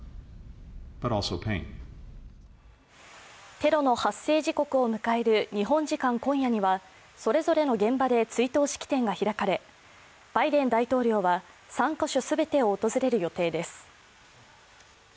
テロの発生時刻を迎える日本時間今夜には、それぞれの現場で追悼式典が開かれバイデン大統領は、３カ所全てを訪れる予定です。